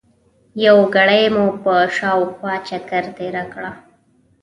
یوه ګړۍ مو په شاوخوا چکر تېره کړه.